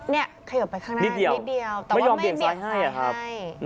นี่ขยับไปข้างหน้านิดเดียวไม่ยอมเบี่ยงซ้ายให้นะครับ